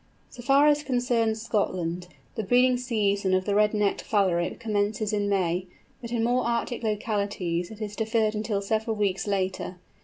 So far as concerns Scotland, the breeding season of the Red necked Phalarope commences in May, but in more Arctic localities it is deferred until several weeks later.